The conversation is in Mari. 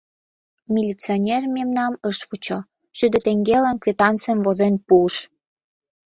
Милиционер мемнам ыш вучо: шӱдӧ теҥгелан квитанцым возен пуыш.